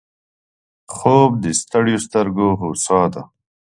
خوب د ستړیو سترګو هوسا ده